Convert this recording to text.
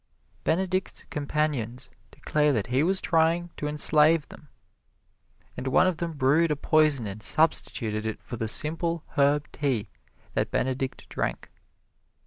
Benedict's companions declared that he was trying to enslave them, and one of them brewed a poison and substituted it for the simple herb tea that Benedict drank.